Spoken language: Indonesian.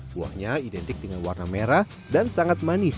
buahnya identik dengan warna merah dan sangat manis